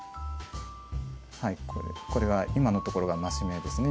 これは今のところが増し目ですね